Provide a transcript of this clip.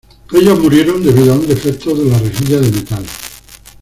Ellos murieron debido a un defecto de la rejilla de metal.